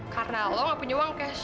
karena anda tidak punya uang cash